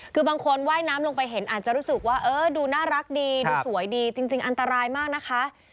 คือบางคนว่ายน้ำลงไปเห็นอาจจะรู้สึกว่าเออดูน่ารักดีดูสวยดีจริงอันตรายมากนะคะ